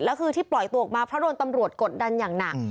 แล้วคือที่ปล่อยตัวออกมาเพราะโดนตำรวจกดดันอย่างหนัก